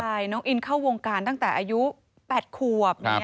ใช่น้องอินเข้าวงการตั้งแต่อายุ๘ขวบ